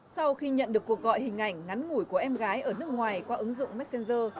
sau khi nhận được cuộc gọi hình ảnh ngắn ngủi của em gái ở nước ngoài qua ứng dụng messenger